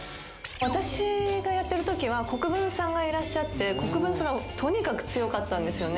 私がやってるときは、国分さんがいらっしゃって、国分さんがとにかく強かったんですよね。